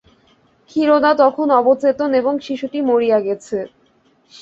ক্ষীরোদা তখন অবচেতন এবং শিশুটি মরিয়া গেছে।